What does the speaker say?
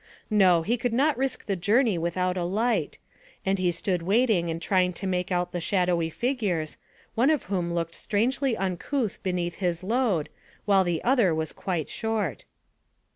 No; he could not risk the journey without a light, and he stood waiting and trying to make out the shadowy figures, one of whom looked strangely uncouth beneath his load, while the other was quite short.